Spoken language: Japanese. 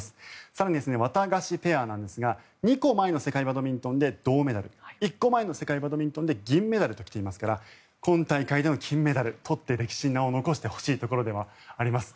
更に、ワタガシペアなんですが２個前の世界バドミントンで銅メダル１個前の世界バドミントンで銀メダルと来ていますから今大会での金メダル、取って歴史に名を残してほしいところではあります。